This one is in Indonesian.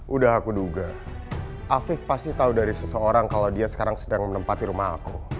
udah aku duga afif pasti tahu dari seseorang kalau dia sekarang sedang menempati rumah aku